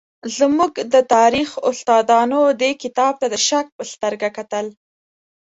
زموږ د تاریخ استادانو دې کتاب ته د شک په سترګه کتل.